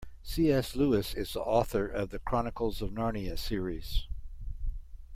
C.S. Lewis is the author of The Chronicles of Narnia series.